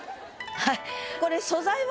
はい。